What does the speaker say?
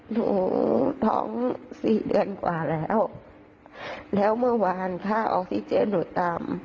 หนูท้องสี่เดือนกว่าแล้วแล้วเมื่อวานค่าออกซิเจนหนูต่ำ